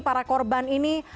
para korban ini